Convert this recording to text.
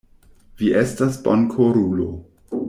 Vi estas bonkorulo.